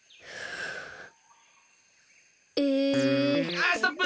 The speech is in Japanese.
あストップ！